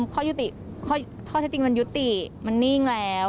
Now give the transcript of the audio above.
ข้อชัดจริงมันยุติมันหนี้งแล้ว